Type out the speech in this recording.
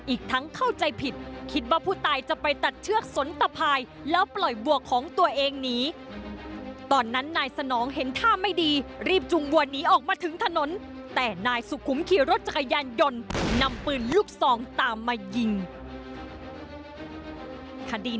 อีกทั้งเข้าใจผิด